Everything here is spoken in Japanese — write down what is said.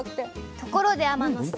ところで天野さん。